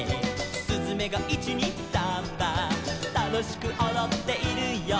「すずめが１・２・サンバ」「楽しくおどっているよ」